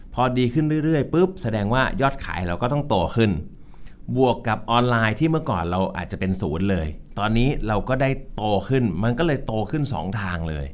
พอดีขึ้นเรื่อยปุ๊บแสดงว่ายอดขายเราก็ต้องโตขึ้นบวกกับออนไลน์ที่เมื่อก่อนเราอาจจะเป็นศูนย์เลยตอนนี้เราก็ได้โตขึ้นมันก็เลยโตขึ้นสองทางเลย